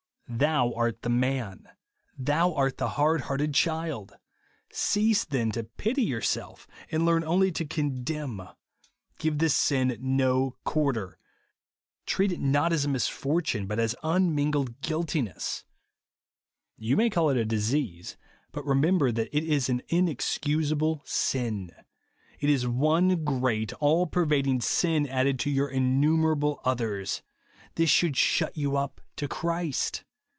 " Thou art the man." Thou art the hard hearted child 1 Cease then to vity youxself, and learn only to conderan. Give this sin no quarter. Treat it not as a misfortune^ but as unmingled guiltiness. INSEXSIBILITV. 159 You may call it a disease ; but remember that it is an inexcusable sin. It is one great all pervading sin added to your innumer *4ble others. This should shut you up to Christ.